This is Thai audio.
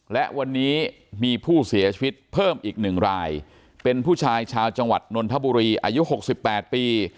และวันนี้มีผู้เสียชีวิตเพิ่มอีก๑รายเป็นผู้ชายชาวจังหวัดนนทบุรีอายุ๖๘ปี